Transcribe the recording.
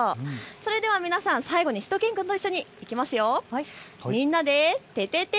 それでは皆さん最後にしゅと犬くんと一緒にみんなでててて！